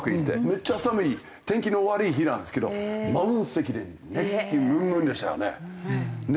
めっちゃ寒い天気の悪い日なんですけど満席で熱気ムンムンでしたよね。